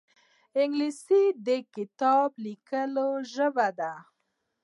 انګلیسي د کتاب لیکلو ژبه ده